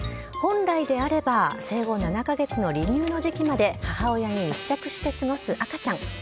本来であれば、生後７か月の離乳の時期まで、母親に密着して過ごす赤ちゃん。